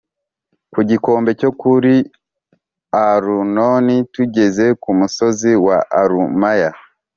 ku gikombe cyo kuri arunoni tugeza ku musozi wa alumaya